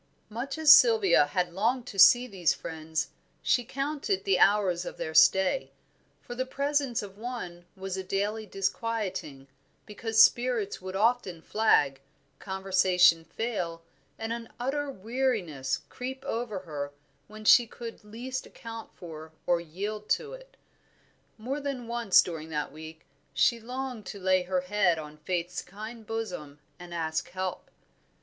Much as Sylvia had longed to see these friends, she counted the hours of their stay, for the presence of one was a daily disquieting, because spirits would often flag, conversation fail, and an utter weariness creep over her when she could least account for or yield to it. More than once during that week she longed to lay her head on Faith's kind bosom and ask help.